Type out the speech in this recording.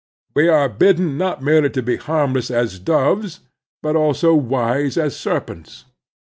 We are bidden not merely to be harmless as doves, but also as wise as serpents.